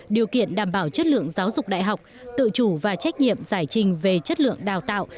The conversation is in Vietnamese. điều kiện đảm bảo chất lượng giáo dục đại học tự chủ và trách nhiệm giải trình về chất lượng đào tạo